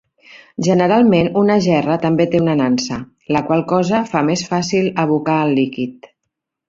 Generalment, una gerra també té una nansa, la qual cosa fa més fàcil abocar el líquid.